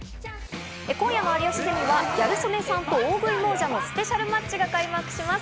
今夜の『有吉ゼミ』はギャル曽根さんと大食い猛者のスペシャルマッチが開幕します。